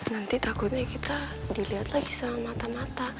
nanti takutnya kita diliat lagi sama mata mata